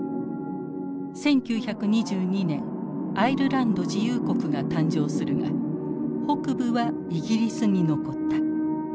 １９２２年アイルランド自由国が誕生するが北部はイギリスに残った。